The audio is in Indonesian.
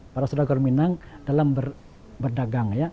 para sudar minang dalam berdagang